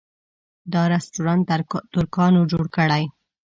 دا رسټورانټ ترکانو جوړه کړې.